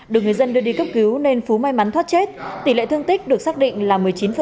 được người dân đưa đi cấp cứu nên phú may mắn thoát chết tỷ lệ thương tích được xác định là một mươi chín